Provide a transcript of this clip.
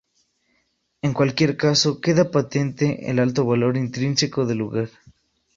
En cualquier caso, queda patente el alto valor intrínseco del lugar.